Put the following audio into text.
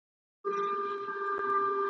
نو به کوچ وکړي د خلکو له سرونو ..